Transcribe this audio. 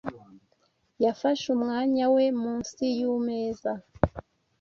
Yafashe umwanya we munsi yumeza.